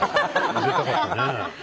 食べたかったね。